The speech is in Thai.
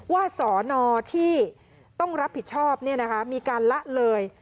สอนอที่ต้องรับผิดชอบมีการละเลย